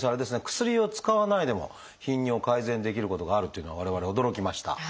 薬を使わないでも頻尿を改善できることがあるというのは我々驚きました。